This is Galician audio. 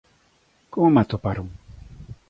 Como me atoparon?